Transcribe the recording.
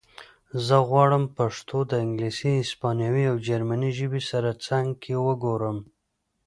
زه غواړم پښتو د انګلیسي هسپانوي او جرمنۍ ژبې سره څنګ کې وګورم